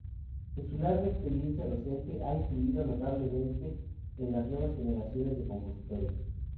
En su larga experiencia docente ha influido notablemente en las nuevas generaciones de compositores.